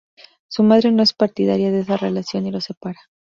Su madre no es partidaria de esa relación y los separa.